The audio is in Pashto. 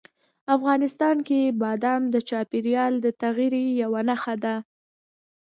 افغانستان کې بادام د چاپېریال د تغیر یوه نښه ده.